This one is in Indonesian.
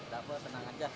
dapat senang aja